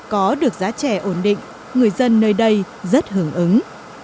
có được giá trẻ ổn định người dân nơi đây rất hưởng ứng